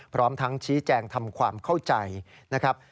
พร้อมทั้งชี้แจงทำความเข้าใจนะครับ